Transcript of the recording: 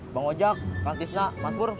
bang ojek kang kisna mas pur